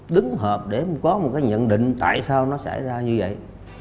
đứng hợp để có một cái nhận định tại sao nó xảy ra như vậy